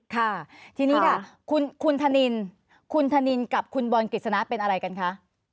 ค่ะทีนี้ค่ะคุณธนินกับคุณบรกฤษณะเป็นอะไรกันคะ